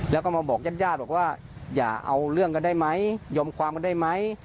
แล้วก็มาบอกญาติญาติบอกว่าอย่าเอาเรื่องกันได้ไหมยอมความกันได้ไหม